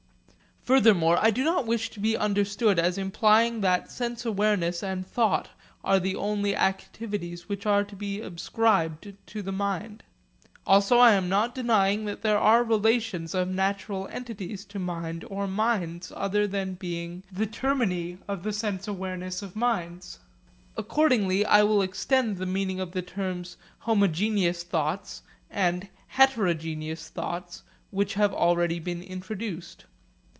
Furthermore, I do not wish to be understood as implying that sense awareness and thought are the only activities which are to be ascribed to mind. Also I am not denying that there are relations of natural entities to mind or minds other than being the termini of the sense awarenesses of minds. Accordingly I will extend the meaning of the terms 'homogeneous thoughts' and 'heterogeneous thoughts' which have already been introduced.